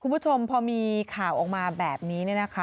คุณผู้ชมพอมีข่าวออกมาแบบนี้